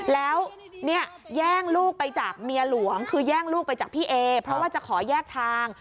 แล้วเนี่ยแย่งลูกไปจากเมียหลวงคือแย่งลูกไปจากพี่เอเพราะว่าจะขอแยกทาง